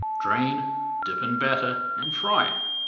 Drain, dip in batter, and fry.